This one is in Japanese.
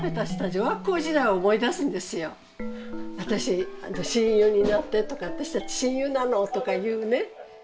「親友になって」とか「私たち親友なの」とかいうね。